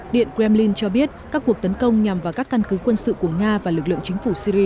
điện kremlin cho biết các cuộc tấn công nhằm vào các căn cứ quân sự của nga và lực lượng chính phủ syri